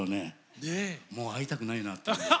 もう会いたくないなっていう。